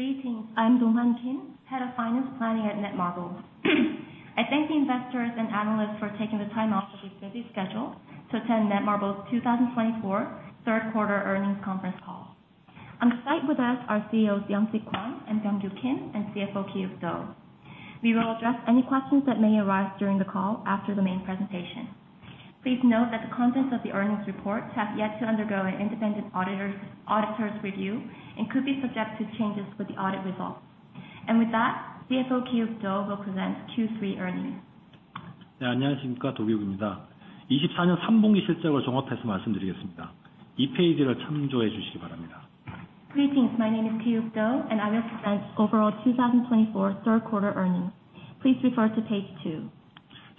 Greetings. I'm Donghwan Kim, Head of Finance Planning at Netmarble. I thank the investors and analysts for taking the time out of your busy schedule to attend Netmarble's 2024 third-quarter earnings conference call. On the site with us are CEOs Young-sig Kwon and Byung-gyu Kim, and CFO Kyungsoo. We will address any questions that may arise during the call after the main presentation. Please note that the contents of the earnings report have yet to undergo an independent auditor's review and could be subject to changes with the audit results. With that, CFO Gi-wook Do will present Q3 earnings. 안녕하십니까, 도기욱입니다. 2024년 3분기 실적을 종합해서 말씀드리겠습니다. 이 페이지를 참조해 주시기 바랍니다. Greetings. My name is Gi-Wook Do, and I will present overall 2024 third-quarter earnings. Please refer to page two.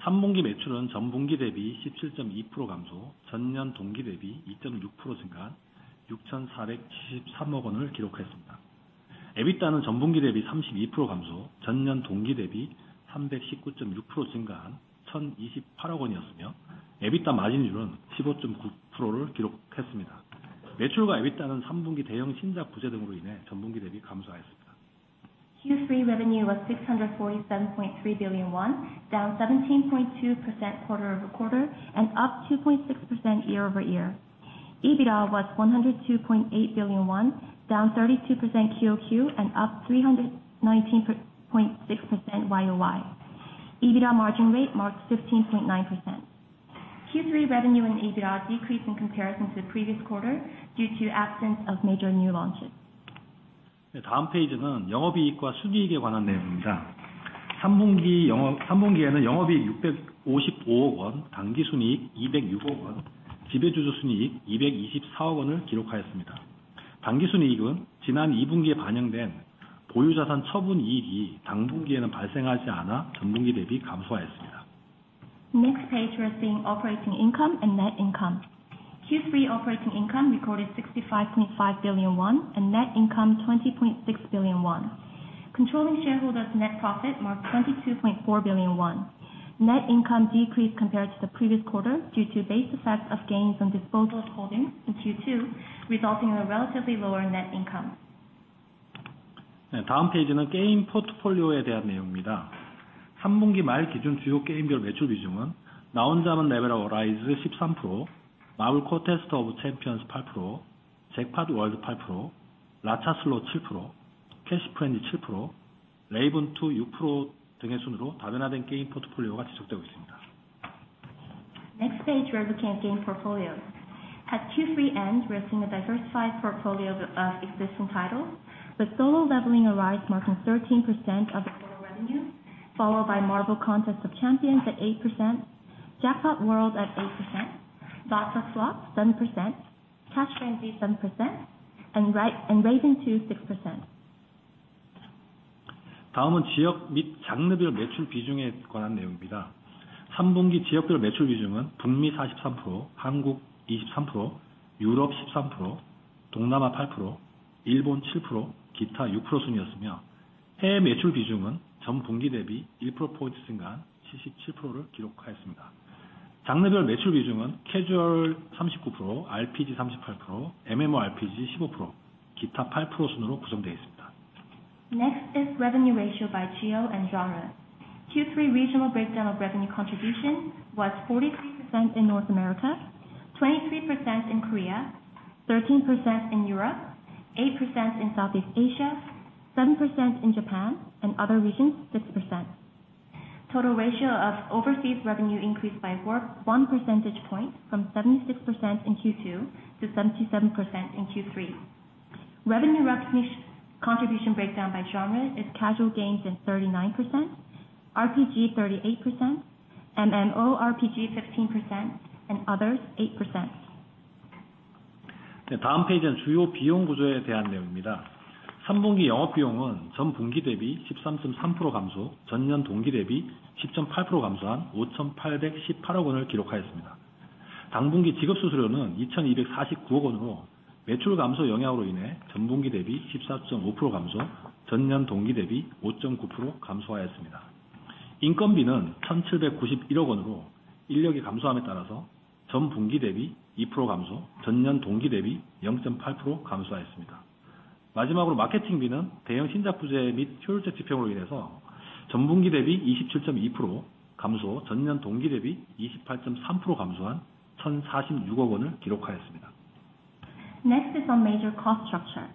3분기 매출은 전분기 대비 17.2% 감소, 전년 동기 대비 2.6% 증가한 6,473억 원을 기록했습니다. EBITDA는 전분기 대비 32% 감소, 전년 동기 대비 319.6% 증가한 1,028억 원이었으며, EBITDA 마진율은 15.9%를 기록했습니다. 매출과 EBITDA는 3분기 대형 신작 부재 등으로 인해 전분기 대비 감소하였습니다. Q3 revenue was 647.3 billion won, down 17.2% quarter-over-quarter and up 2.6% year-over-year. EBITDA was 102.8 billion won, down 32% QoQ and up 319.6% YoY. EBITDA margin rate marked 15.9%. Q3 revenue and EBITDA decreased in comparison to the previous quarter due to absence of major new launches. 다음 페이지는 영업이익과 순이익에 관한 내용입니다. 3분기에는 영업이익 655억 원, 당기순이익 206억 원, 지배주주순이익 224억 원을 기록하였습니다. 당기순이익은 지난 2분기에 반영된 보유자산 처분이익이 당분기에는 발생하지 않아 전분기 대비 감소하였습니다. Next page we're seeing operating income and net income. Q3 operating income recorded 65.5 billion won and net income 20.6 billion won. Controlling shareholders' net profit marked 22.4 billion won. Net income decreased compared to the previous quarter due to base effects of gains on disposal holdings in Q2, resulting in a relatively lower net income. 다음 페이지는 게임 포트폴리오에 대한 내용입니다. 3분기 말 기준 주요 게임별 매출 비중은 나 혼자만 레벨업 13%, 마블 퀘스트 오브 챔피언스 8%, 잭팟 월드 8%, 라차 슬롯 7%, 캐시 프렌즈 7%, 레이븐 2 6% 등의 순으로 다변화된 게임 포트폴리오가 지속되고 있습니다. Next page we're looking at game portfolios. At Q3 end, we're seeing a diversified portfolio of existing titles, with Solo Leveling: Arise marking 13% of the total revenue, followed by Marvel Contest of Champions at 8%, Jackpot World at 8%, Lotsa Slots 7%, Cash Frenzy 7%, and Raven 2 6%. 다음은 지역 및 장르별 매출 비중에 관한 내용입니다. 3분기 지역별 매출 비중은 북미 43%, 한국 23%, 유럽 13%, 동남아 8%, 일본 7%, 기타 6% 순이었으며, 해외 매출 비중은 전분기 대비 1%포인트 증가한 77%를 기록하였습니다. 장르별 매출 비중은 캐주얼 39%, RPG 38%, MMORPG 15%, 기타 8% 순으로 구성되어 있습니다. Next is revenue ratio by geo and genre. Q3 regional breakdown of revenue contribution was 43% in North America, 23% in Korea, 13% in Europe, 8% in Southeast Asia, 7% in Japan, and other regions 6%. Total ratio of overseas revenue increased by 1% point from 76% in Q2 to 77% in Q3. Revenue contribution breakdown by genre is casual games at 39%, RPG 38%, MMORPG 15%, and others 8%. 다음 페이지는 주요 비용 구조에 대한 내용입니다. 3분기 영업비용은 전분기 대비 13.3% 감소, 전년 동기 대비 10.8% 감소한 5,818억 원을 기록하였습니다. 당분기 지급수수료는 2,249억 원으로 매출 감소 영향으로 인해 전분기 대비 14.5% 감소, 전년 동기 대비 5.9% 감소하였습니다. 인건비는 1,791억 원으로 인력이 감소함에 따라서 전분기 대비 2% 감소, 전년 동기 대비 0.8% 감소하였습니다. 마지막으로 마케팅비는 대형 신작 부재 및 효율적 집행으로 인해서 전분기 대비 27.2% 감소, 전년 동기 대비 28.3% 감소한 1,046억 원을 기록하였습니다. Next is on major cost structure.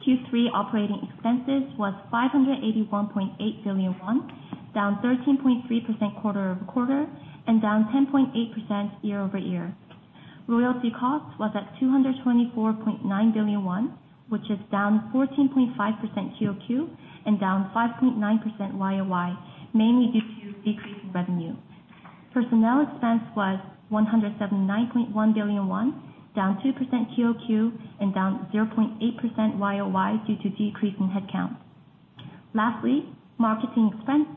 Q3 operating expenses was 581.8 billion won, down 13.3% quarter over quarter and down 10.8% year-over-year. Royalty cost was at 224.9 billion won, which is down 14.5% QoQ and down 5.9% YoY, mainly due to decrease in revenue. Personnel expense was 179.1 billion won, down 2% QoQ and down 0.8% YoY due to decrease in headcount. Lastly, marketing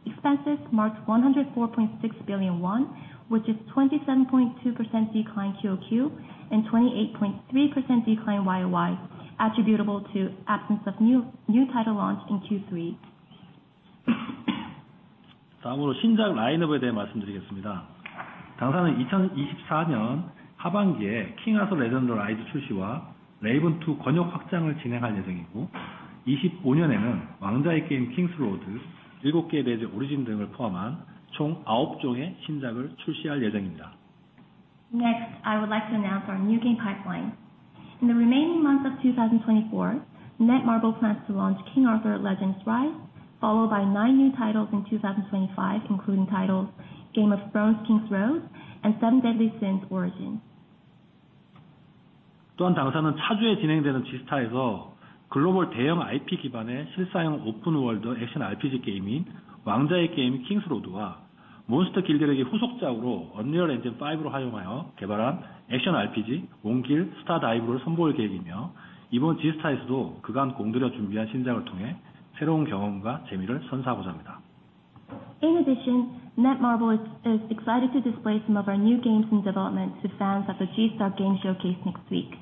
expenses marked 104.6 billion won, which is 27.2% decline QoQ and 28.3% decline YoY, attributable to absence of new title launch in Q3. 다음으로 신작 라인업에 대해 말씀드리겠습니다. 당사는 2024년 하반기에 킹아서 레전더라이즈 출시와 레이븐 2 권역 확장을 진행할 예정이고, 2025년에는 왕좌의 게임 킹스로드, 7개의 레제 오리진 등을 포함한 총 9종의 신작을 출시할 예정입니다. Next, I would like to announce our new game pipeline. In the remaining months of 2024, Netmarble plans to launch King Arthur: Legends Rise, followed by nine new titles in 2025, including Game of Thrones: Kingsroad and Seven Deadly Sins: Origin. 또한 당사는 차주에 진행되는 지스타에서 글로벌 대형 IP 기반의 실사형 오픈 월드 액션 RPG 게임인 왕좌의 게임 킹스로드와 몬스터 길드력의 후속작으로 언리얼 엔진 5를 활용하여 개발한 액션 RPG 원길 스타 다이브를 선보일 계획이며, 이번 지스타에서도 그간 공들여 준비한 신작을 통해 새로운 경험과 재미를 선사하고자 합니다. In addition, Netmarble is excited to display some of our new games in development to fans at the G-Star Game Showcase next week.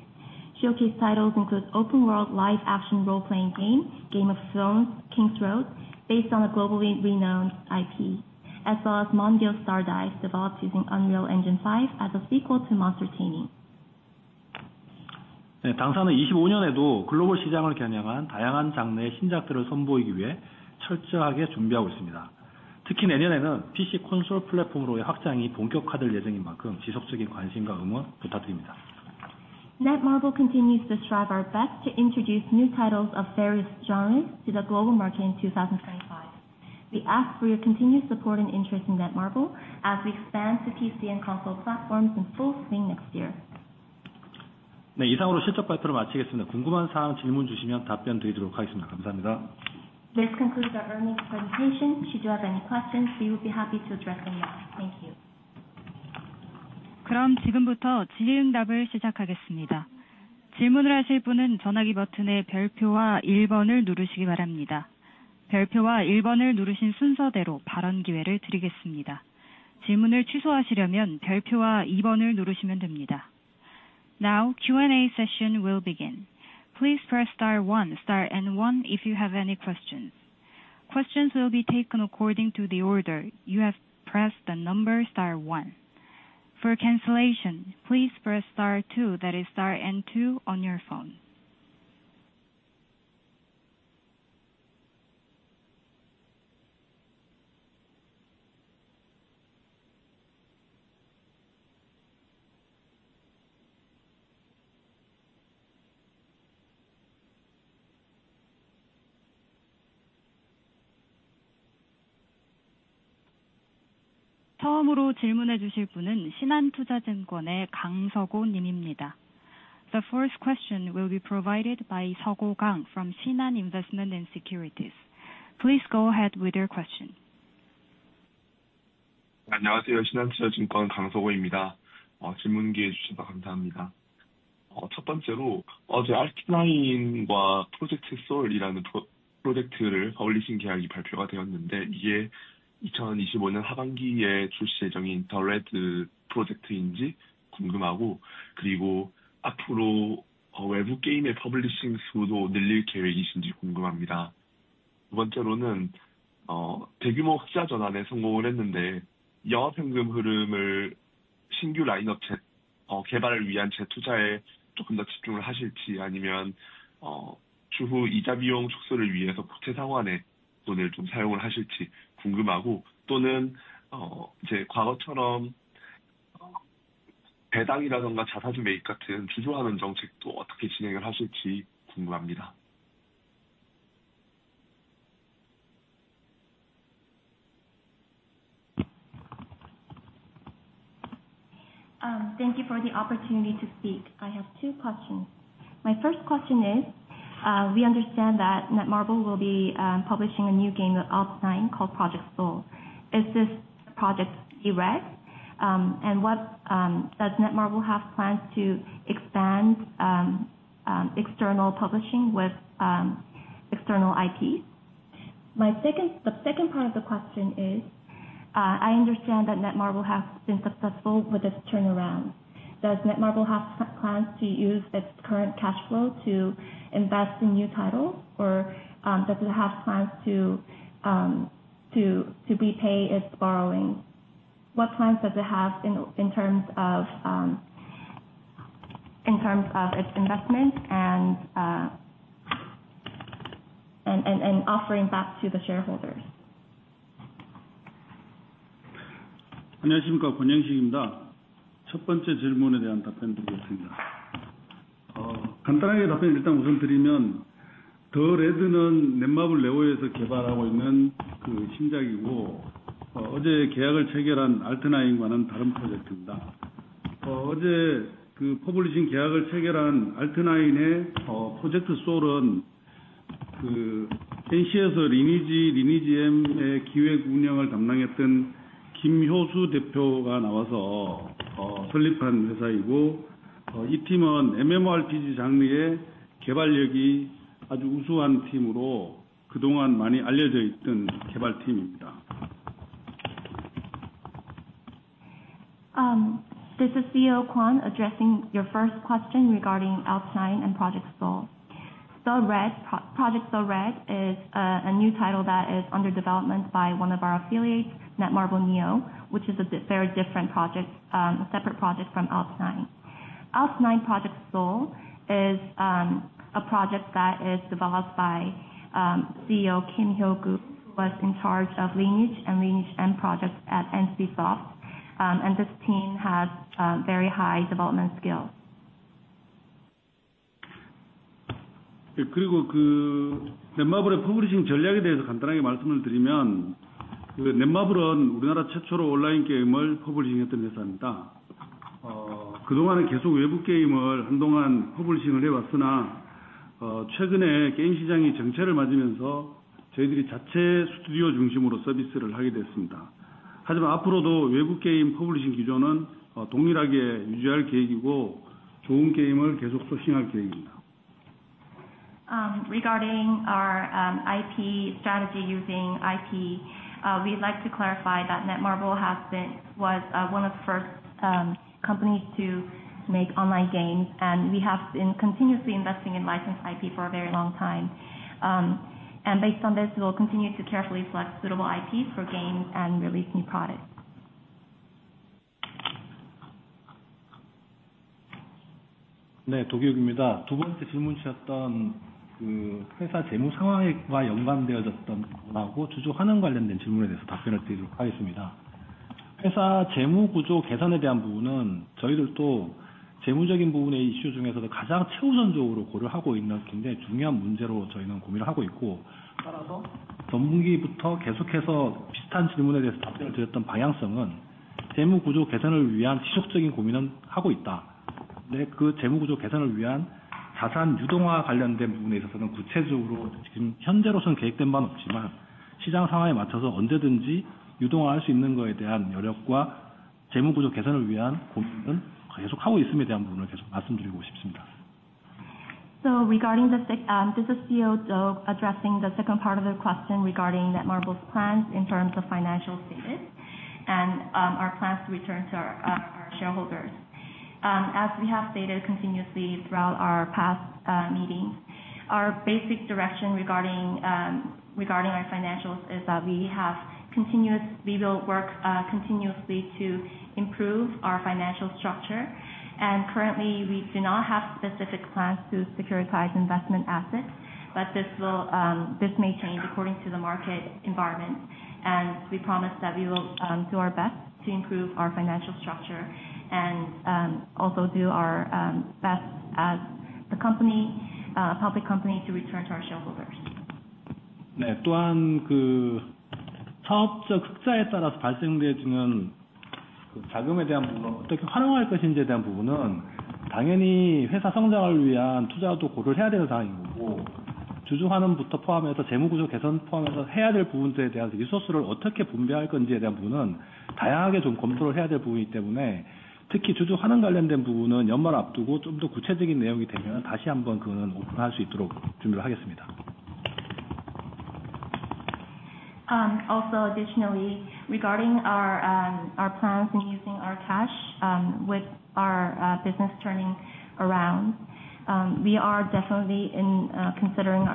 Showcase titles include open-world live-action role-playing game Game of Thrones: Kingsroad based on a globally renowned IP, as well as Mongil: Star Dive developed using Unreal Engine 5 as a sequel to Monster Taming. 당사는 2025년에도 글로벌 시장을 겨냥한 다양한 장르의 신작들을 선보이기 위해 철저하게 준비하고 있습니다. 특히 내년에는 PC 콘솔 플랫폼으로의 확장이 본격화될 예정인 만큼 지속적인 관심과 응원 부탁드립니다. Netmarble continues to strive our best to introduce new titles of various genres to the global market in 2025. We ask for your continued support and interest in Netmarble as we expand to PC and console platforms in full swing next year. 이상으로 실적 발표를 마치겠습니다. 궁금한 사항 질문 주시면 답변드리도록 하겠습니다. 감사합니다. This concludes our earnings presentation. Should you have any questions, we will be happy to address them now. Thank you. 그럼 지금부터 질의응답을 시작하겠습니다. 질문을 하실 분은 전화기 버튼의 별표와 1번을 누르시기 바랍니다. 별표와 1번을 누르신 순서대로 발언 기회를 드리겠습니다. 질문을 취소하시려면 별표와 2번을 누르시면 됩니다. Now, Q&A session will begin. Please press star one, star number one if you have any questions. Questions will be taken according to the order you have pressed star number one. For cancellation, please press star two, that is star number two on your phone. 처음으로 질문해 주실 분은 신한투자증권의 강석오 님입니다. The first question will be provided by Seok-oh Kang from Shinhan Investment & Securities. Please go ahead with your question. 안녕하세요, 신한투자증권 강석오입니다. 질문 기회 주셔서 감사합니다. 첫 번째로 어제 알티나인과 프로젝트 솔이라는 프로젝트를 퍼블리싱 계약이 발표가 되었는데, 이게 2025년 하반기에 출시 예정인 더 레드 프로젝트인지 궁금하고, 그리고 앞으로 외부 게임의 퍼블리싱 수도 늘릴 계획이신지 궁금합니다. 두 번째로는 대규모 흑자 전환에 성공을 했는데, 영업 현금 흐름을 신규 라인업 개발을 위한 재투자에 조금 더 집중을 하실지, 아니면 추후 이자 비용 축소를 위해서 국채 상환에 돈을 좀 사용을 하실지 궁금하고, 또는 이제 과거처럼 배당이라든가 자사주 매입 같은 주주 환원 정책도 어떻게 진행을 하실지 궁금합니다. Thank you for the opportunity to speak. I have two questions. My first question is, we understand that Netmarble will be publishing a new game with Alt9 called Project SOL. Is this project direct? And what does Netmarble have plans to expand external publishing with external IPs? My second, the second part of the question is, I understand that Netmarble has been successful with its turnaround. Does Netmarble have plans to use its current cash flow to invest in new titles, or does it have plans to repay its borrowing? What plans does it have in terms of its investment and offering back to the shareholders? 안녕하십니까, 권영식입니다. 첫 번째 질문에 대한 답변 드리겠습니다. 간단하게 답변 우선 드리면, 더 레드는 넷마블 네오에서 개발하고 있는 신작이고, 어제 계약을 체결한 알트나인과는 다른 프로젝트입니다. 어제 퍼블리싱 계약을 체결한 알트나인의 프로젝트 솔은 NC에서 리니지M의 기획 운영을 담당했던 김효수 대표가 나와서 설립한 회사이고, 이 팀은 MMORPG 장르의 개발력이 아주 우수한 팀으로 그동안 많이 알려져 있던 개발팀입니다. This is CEO Kwon addressing your first question regarding Alt9 and Project SOL. Project SOL Red is a new title that is under development by one of our affiliates, Netmarble Neo, which is a very different project, a separate project from Alt9. Alt9 Project SOL is a project that is developed by CEO Kim Hyo-su, who was in charge of Lineage and Lineage M projects at NCSoft, and this team has very high development skills. 그리고 넷마블의 퍼블리싱 전략에 대해서 간단하게 말씀을 드리면, 넷마블은 우리나라 최초로 온라인 게임을 퍼블리싱했던 회사입니다. 그동안은 계속 외부 게임을 한동안 퍼블리싱을 해왔으나, 최근에 게임 시장이 정체를 맞으면서 저희들이 자체 스튜디오 중심으로 서비스를 하게 됐습니다. 하지만 앞으로도 외부 게임 퍼블리싱 기조는 동일하게 유지할 계획이고, 좋은 게임을 계속 소싱할 계획입니다. Regarding our IP strategy using IP, we'd like to clarify that Netmarble was one of the first companies to make online games, and we have been continuously investing in licensed IP for a very long time. Based on this, we'll continue to carefully select suitable IPs for games and release new products. 네, 도기욱입니다. 두 번째 질문 주셨던 회사 재무 상황과 연관되어진 부분하고 주주 환원 관련된 질문에 대해서 답변을 드리도록 하겠습니다. 회사 재무 구조 개선에 대한 부분은 저희들도 재무적인 부분의 이슈 중에서도 가장 최우선적으로 고려하고 있는 굉장히 중요한 문제로 저희는 고민을 하고 있고, 따라서 전분기부터 계속해서 비슷한 질문에 대해서 답변을 드렸던 방향성은 재무 구조 개선을 위한 지속적인 고민은 하고 있다는 것입니다. 그런데 그 재무 구조 개선을 위한 자산 유동화와 관련된 부분에 있어서는 구체적으로 지금 현재로서는 계획된 바는 없지만, 시장 상황에 맞춰서 언제든지 유동화할 수 있는 것에 대한 여력과 재무 구조 개선을 위한 고민은 계속 하고 있다는 부분을 계속 말씀드리고 싶습니다. Regarding this, this is CFO Do addressing the second part of the question regarding Netmarble's plans in terms of financial statements and our plans to return to our shareholders. As we have stated continuously throughout our past meetings, our basic direction regarding our financials is that we will work continuously to improve our financial structure. Currently, we do not have specific plans to securitize investment assets, but this may change according to the market environment. We promise that we will do our best to improve our financial structure and also do our best as the company, public company, to return to our shareholders. 네, 또한 그 사업적 흑자에 따라서 발생되는 자금에 대한 부분, 어떻게 활용할 것인지에 대한 부분은 당연히 회사 성장을 위한 투자도 고려를 해야 되는 사항인 거고, 주주 환원부터 포함해서 재무 구조 개선 포함해서 해야 될 부분들에 대한 리소스를 어떻게 분배할 건지에 대한 부분은 다양하게 좀 검토를 해야 될 부분이기 때문에, 특히 주주 환원 관련된 부분은 연말 앞두고 좀더 구체적인 내용이 되면 다시 한번 그거는 오픈할 수 있도록 준비를 하겠습니다. Additionally, regarding our plans and using our cash with our business turning around, we are definitely considering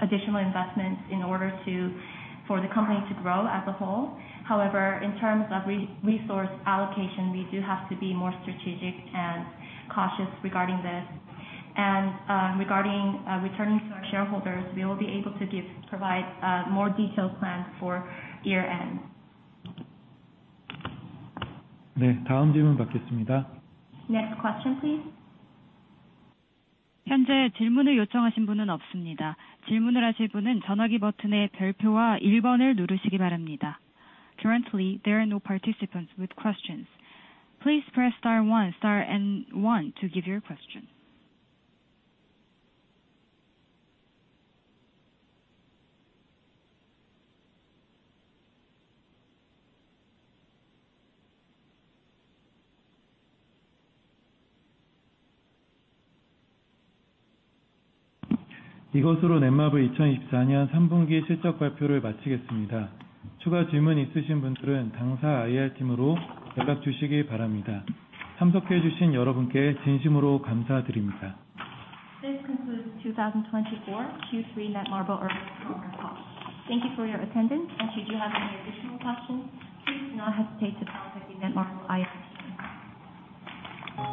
additional investments in order for the company to grow as a whole. However, in terms of resource allocation, we do have to be more strategic and cautious regarding this. Regarding returning to our shareholders, we will be able to provide more detailed plans for year-end. 네, 다음 질문 받겠습니다. Next question, please. 현재 질문을 요청하신 분은 없습니다. 질문을 하실 분은 전화기 버튼의 별표와 1번을 누르시기 바랍니다. Currently, there are no participants with questions. Please press star one, star one to give your question. 이것으로 넷마블 2024년 3분기 실적 발표를 마치겠습니다. 추가 질문 있으신 분들은 당사 IR팀으로 연락 주시기 바랍니다. 참석해 주신 여러분께 진심으로 감사드립니다. This concludes 2024 Q3 Netmarble Earnings Program call. Thank you for your attendance, and should you have any additional questions, please do not hesitate to contact the Netmarble IR team.